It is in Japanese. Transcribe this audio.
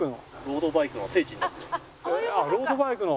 ロードバイクの。